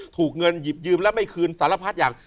ถูกเงินหยิบยืมแล้วไม่คืนสารพัดอย่าง